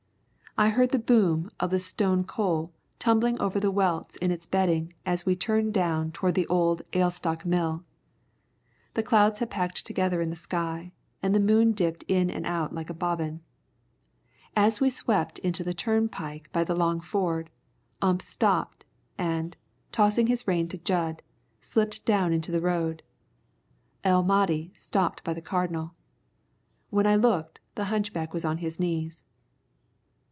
I heard the boom of the Stone Coal tumbling over the welts in its bedding as we turned down toward the old Alestock mill. The clouds had packed together in the sky, and the moon dipped in and out like a bobbin. As we swept into the turnpike by the long ford, Ump stopped, and, tossing his rein to Jud, slipped down into the road. El Mahdi stopped by the Cardinal. When I looked, the hunchback was on his knees.